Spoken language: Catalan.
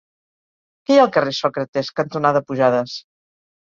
Què hi ha al carrer Sòcrates cantonada Pujades?